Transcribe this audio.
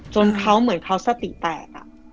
จนเขาเหมือนเขาสติแตก